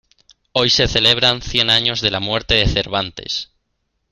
Hoy se celebran cien años de la muerte de Cervantes.